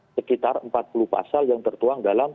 sekitar empat puluh pasal yang tertuang dalam